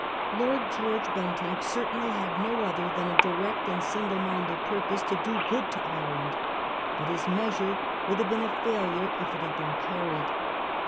Lord George Bentinck certainly had no other than a direct and single minded purpose to do good to Ireland; but his measure would have been a failure if it had been carried.